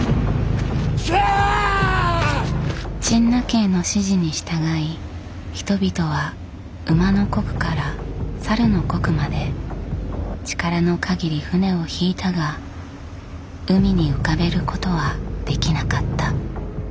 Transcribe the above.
陳和の指示に従い人々は午の刻から申の刻まで力の限り船を引いたが海に浮かべることはできなかった。